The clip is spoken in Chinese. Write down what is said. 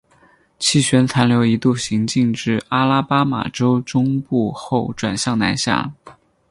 气旋残留一度行进至阿拉巴马州中部后转向南下。